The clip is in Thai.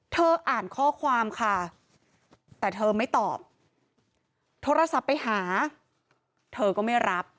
อ่านข้อความค่ะแต่เธอไม่ตอบโทรศัพท์ไปหาเธอก็ไม่รับ